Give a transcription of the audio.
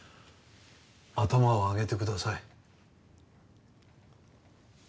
頭を上げてください。